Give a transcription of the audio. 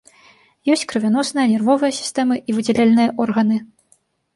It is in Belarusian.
Ёсць крывяносная, нервовая сістэмы і выдзяляльныя органы.